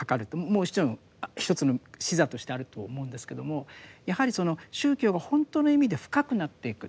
もちろん一つの視座としてあると思うんですけれどもやはりその宗教がほんとの意味で深くなっていく。